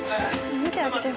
診てあげてよ